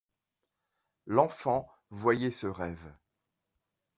L’enfant voyait ce rêve.